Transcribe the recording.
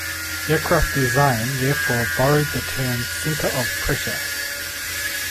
Aircraft design therefore borrowed the term center of pressure.